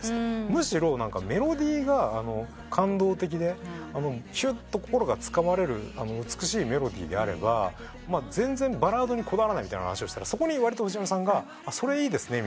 むしろメロディーが感動的でひゅっと心がつかまれる美しいメロディーであれば全然バラードにこだわらないみたいな話をしたらそこにわりと藤原さんが「それいいですね」ってなって。